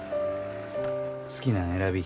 好きなん選び。